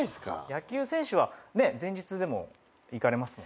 野球選手は前日でも行かれますもんね。